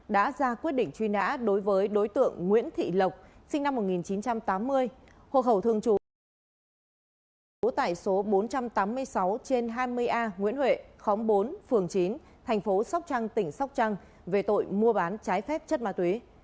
đã ra quyết định truy nã đối với đối tượng nguyễn thị lộc sinh năm một nghìn chín trăm tám mươi hộ khẩu thường trú tại số tại số bốn trăm tám mươi sáu trên hai mươi a nguyễn huệ khóm bốn phường chín thành phố sóc trăng tỉnh sóc trăng về tội mua bán trái phép chất ma túy